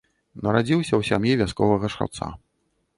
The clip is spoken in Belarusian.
Нарадзіўся ў сям'і вясковага шаўца.